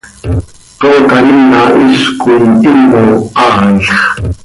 ¡Tootar ina hizcoi himo haailx!